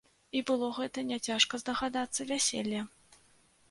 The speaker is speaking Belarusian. І было гэта, не цяжка здагадацца, вяселле.